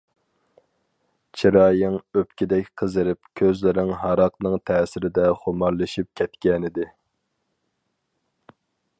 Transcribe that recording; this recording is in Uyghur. چىرايىڭ ئۆپكىدەك قىزىرىپ، كۆزلىرىڭ ھاراقنىڭ تەسىرىدە خۇمارلىشىپ كەتكەنىدى.